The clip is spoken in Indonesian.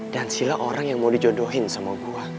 dan sila orang yang mau dijodohin sama gue